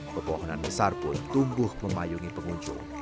pepohonan besar pun tumbuh memayungi pengunjung